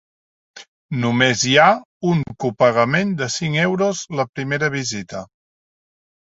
Només hi ha un copagament de cinc euros la primera visita.